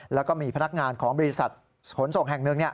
แล้วก็มีพนักงานของบริษัทขนส่งแห่งหนึ่ง